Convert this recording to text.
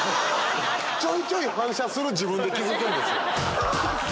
ちょいちょい反射する自分で気付くんですよ。